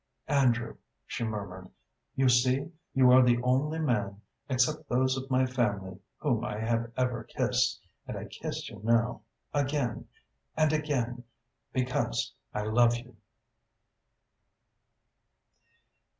"Andrew," she murmured, "you see, you are the only man except those of my family whom I have ever kissed, and I kiss you now again and again because I love you."